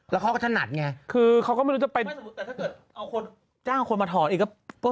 แล้วเขาก็ถนัดไงเอานะคือเขาก็ไม่รู้จะไปเอาคนจ้างเอาคนมาถอนอีกก็